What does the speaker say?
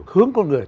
hướng con người